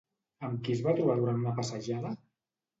Amb qui es va trobar durant una passejada?